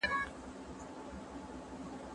ایا د ګاونډیو سره ښې اړیکي لرل ارامي راولي؟